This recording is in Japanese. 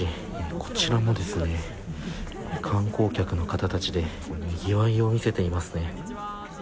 こちらも観光客の方たちでにぎわいを見せていますね。